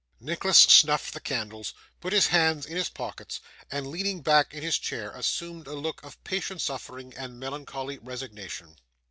Nicholas snuffed the candles, put his hands in his pockets, and, leaning back in his chair, assumed a look of patient suffering and melancholy resignation.